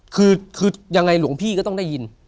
คือยังไงหลวงพี่ก็ต้องได้ยิน